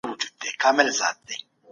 تحقیقي ادب موږ ته د پخوا په اړه پوهه راکوي.